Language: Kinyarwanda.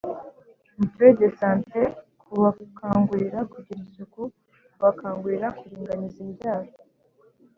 mutuelle de santé, kubakangurira kugira isuku, kubakangurira kuringaniza imbyaro,